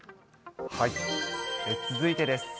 続いてです。